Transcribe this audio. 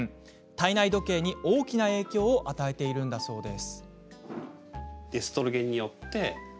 体内時計に大きな影響を与えているんだそうです。